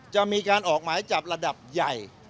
จะมีการออกหมายจับระดับใหญ่